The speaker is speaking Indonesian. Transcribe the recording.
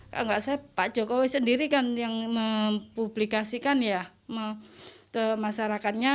kalau tidak saya pak jokowi sendiri yang mempublikasikan ke masyarakatnya